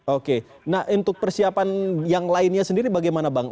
oke nah untuk persiapan yang lainnya sendiri bagaimana bang